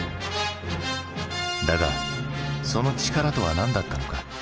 だがその力とは何だったのか？